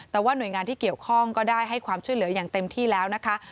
แต่ว่าหน่วยงานที่เกี่ยวข้องก็ได้ให้ความช่วยเหลืออย่างเต็มที่แล้วนะคะ